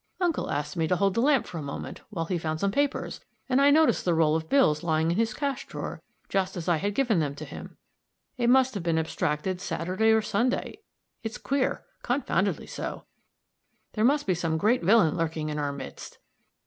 Uncle asked me to hold the lamp a moment, while he found some papers, and I noticed the roll of bills lying in his cash drawer, just as I had given them to him. It must have been abstracted Saturday or Sunday it's queer confoundedly so! There must be some great villain lurking in our midst!"